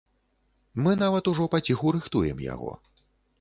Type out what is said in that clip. Мы нават ужо паціху рыхтуем яго.